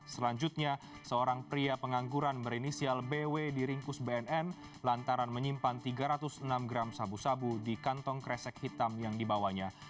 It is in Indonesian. selanjutnya seorang pria pengangguran berinisial bw diringkus bnn lantaran menyimpan tiga ratus enam gram sabu sabu di kantong kresek hitam yang dibawanya